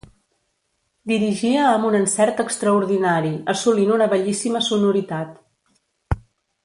Dirigia amb un encert extraordinari, assolint una bellíssima sonoritat.